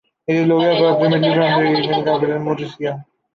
It is located approximately from the regional capital, Murcia.